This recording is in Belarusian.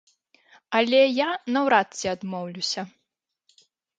Але я наўрад ці адмоўлюся.